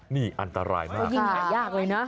นี่อันตรายมากแล้วยิ่งหายากเลยนะ